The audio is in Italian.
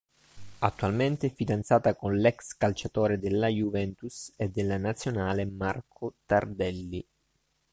Attualmente è fidanzata con l'ex calciatore della Juventus e della Nazionale Marco Tardelli.